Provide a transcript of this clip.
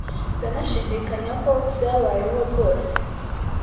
ndanashidikanya ko byabayeho rwose